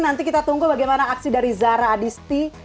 nanti kita tunggu bagaimana aksi dari zara adisti